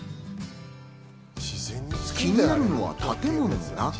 気になるのは建物の中。